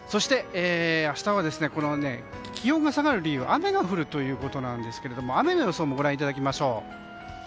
明日は気温が下がる理由雨が降るということなんですが雨の予想もご覧いただきましょう。